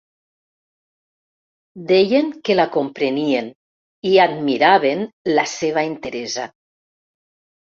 Deien que la comprenien i admiraven la seva enteresa.